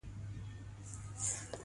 تر ممکنه حده پوري لیري وساتل شي.